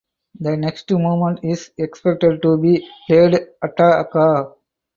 The next movement is expected to be played attacca.